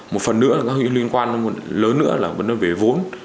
một phần nữa là các liên quan lớn nữa là vấn đề về vốn